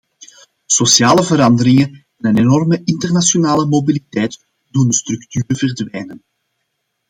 Sociale veranderingen en een enorme internationale mobiliteit doen de structuren verdwijnen.